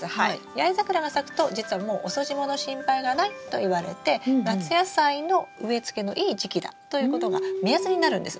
八重桜が咲くと実はもう遅霜の心配がないといわれて夏野菜の植えつけのいい時期だということが目安になるんです。